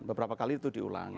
beberapa kali itu diulangi